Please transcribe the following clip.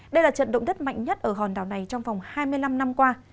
đây là trận động đất mạnh nhất ở hòn đảo này trong vòng hai mươi năm năm qua